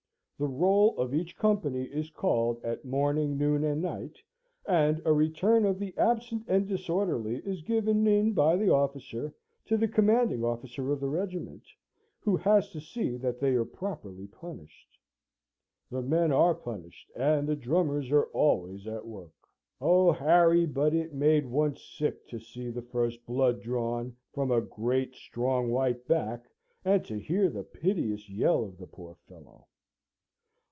The roll of each company is called at morning, noon, and night, and a return of the absent and disorderly is given in by the officer to the commanding officer of the regiment, who has to see that they are properly punished. The men are punished, and the drummers are always at work. Oh, Harry, but it made one sick to see the first blood drawn from a great strong white back, and to hear the piteous yell of the poor fellow."